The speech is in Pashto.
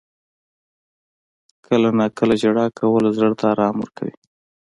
• کله ناکله ژړا کول زړه ته آرام ورکوي.